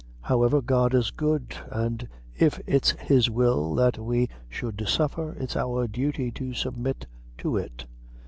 However, God is good, and, if it's His will that we should suffer, it's our duty to submit to it."